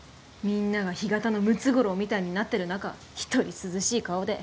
みんなが干潟のムツゴロウみたいになってる中一人涼しい顔で。